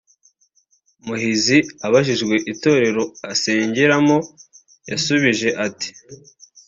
Muhizi abajijwe itorero asengeramo yasubije ati